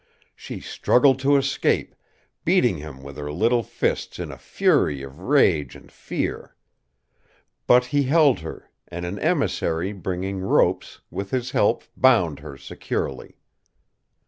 She struggled to escape, beating him with her little fists in a fury of rage and fear. But he held her, and an emissary, bringing ropes, with his help bound her securely.